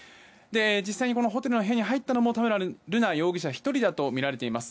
実際にホテルの部屋に入ったのも田村瑠奈容疑者１人だとみられています。